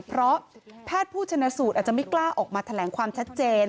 เพราะแพทย์ผู้ชนะสูตรอาจจะไม่กล้าออกมาแถลงความชัดเจน